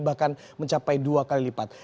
bahkan mencapai dua kali lipat